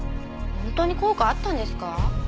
本当に効果あったんですか？